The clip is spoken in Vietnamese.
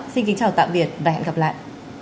xin kính chào tạm biệt và hẹn gặp lại